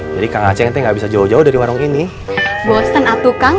jadi kacengnya nggak bisa jauh jauh dari warung ini bosen atuh kang